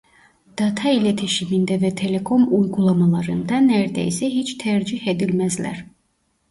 Data iletişiminde ve telekom uygulamalarında nerdeyse hiç tercih edilmezler.